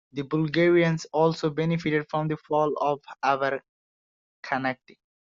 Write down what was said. The Bulgarians also benefited from the fall of the Avar Khaganate.